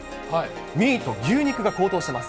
ミート、牛肉が高騰しています。